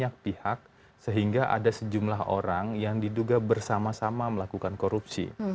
tapi diduga dilakukan oleh banyak pihak sehingga ada sejumlah orang yang diduga bersama sama melakukan korupsi